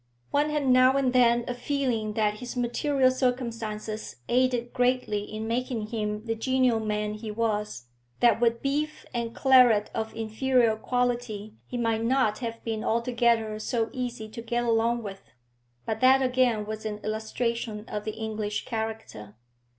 One had now and then a feeling that his material circumstances aided greatly in making him the genial man he was, that with beef and claret of inferior quality he might not have been altogether so easy to get along with. But that again was an illustration of the English character.